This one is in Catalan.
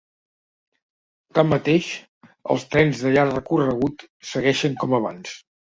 Tanmateix, els trens de llarg recorregut segueixen com abans.